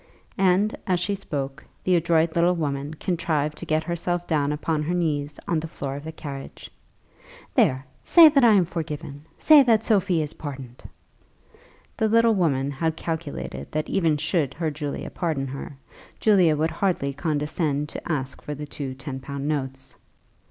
And, as she spoke, the adroit little woman contrived to get herself down upon her knees on the floor of the carriage. "There; say that I am forgiven; say that Sophie is pardoned." The little woman had calculated that even should her Julie pardon her, Julie would hardly condescend to ask for the two ten pound notes.